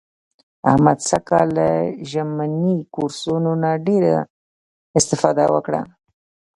احمد سږ کال له ژمني کورسونو نه ډېره اسفاده وکړه.